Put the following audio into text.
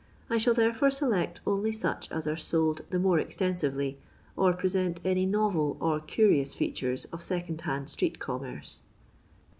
I shall therefore select only such as are sold the more extensively, or present any novel or curious features of seoond hand street commerce.